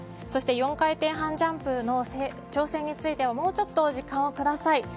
そして４回転半ジャンプの挑戦についてはもうちょっと時間をください。